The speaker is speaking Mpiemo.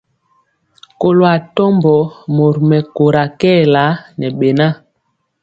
Kɔlo atɔmbɔ mori mɛkóra kɛɛla ŋɛ beŋa.